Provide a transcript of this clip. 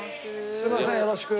すいませんよろしく。